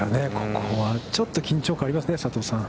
ここはちょっと緊張感がありますね、佐藤さん。